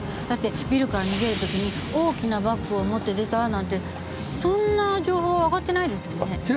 だってビルから逃げる時に大きなバッグを持って出たなんてそんな情報上がってないですよね。